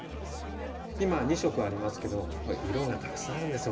今２色ありますけど色がたくさんあるんですよ